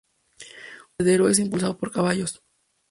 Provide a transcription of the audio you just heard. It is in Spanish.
Un aserradero es impulsado por caballos.